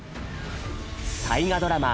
大河ドラマ